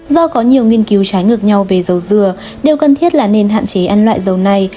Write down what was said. do có nhiều nghiên cứu trái ngược nhau về dầu dừa đều cần thiết là nên hạn chế ăn loại dầu này